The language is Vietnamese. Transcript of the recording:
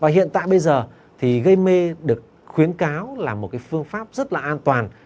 hiện tại bây giờ gây mê được khuyến cáo là một phương pháp rất an toàn